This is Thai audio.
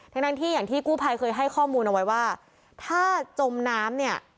ทั้งที่อย่างที่กู้ภัยเคยให้ข้อมูลเอาไว้ว่าถ้าจมน้ำเนี่ย